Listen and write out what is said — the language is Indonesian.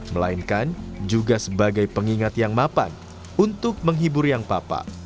melainkan juga sebagai pengingat yang mapan untuk menghibur yang papa